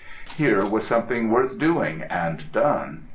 Here was something worth doing and done.